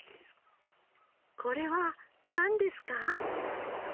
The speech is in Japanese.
これはなんですか？